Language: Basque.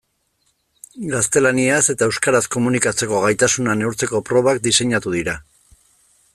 Gaztelaniaz eta euskaraz komunikatzeko gaitasuna neurtzeko probak diseinatu dira.